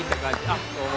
あっどうも。